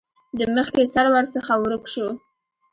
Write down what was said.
د مخکې سر ورڅخه ورک شو.